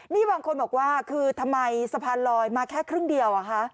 นี่บางคนบอกว่าคือทำไมสะพานลอยมาแค่ครึ่งเดียว